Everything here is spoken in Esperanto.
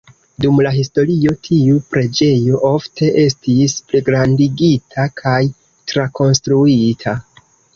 Dum la historio tiu preĝejo ofte estis pligrandigita kaj trakonstruita.